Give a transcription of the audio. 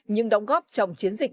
nhưng đóng góp trong chiến dịch